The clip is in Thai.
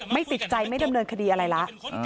ไม่ติดใจไม่ดำเนินคดีอะไรแล้ว